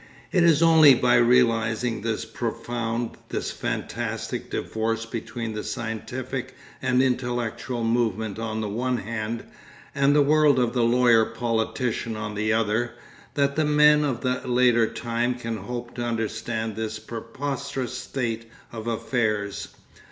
It is only by realising this profound, this fantastic divorce between the scientific and intellectual movement on the one hand, and the world of the lawyer politician on the other, that the men of a later time can hope to understand this preposterous state of affairs.